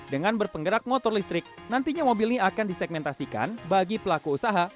dengan berpenggerak motor listrik nantinya mobil ini akan disegmentasikan bagi pelaku usaha